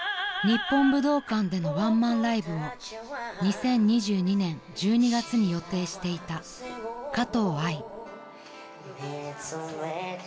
［日本武道館でのワンマンライブを２０２２年１２月に予定していたかとうあい］